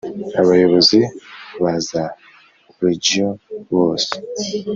Abayobozi ba za Region bose